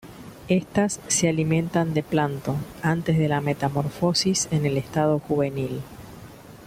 Estas se alimentan de plancton, antes de la metamorfosis en el estado juvenil.